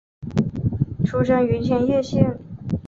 出生于千叶县。